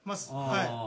はい。